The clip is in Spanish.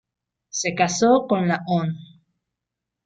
Se casó con la hon.